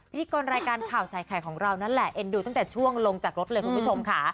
พิธีกรรายการข่าวใส่ไข่ของเรานั่นแหละเอ็นดูตั้งแต่ช่วงลงจากรถเลยคุณผู้ชมค่ะ